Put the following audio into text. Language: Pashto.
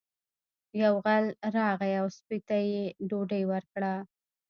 یو غل راغی او سپي ته یې ډوډۍ ورکړه.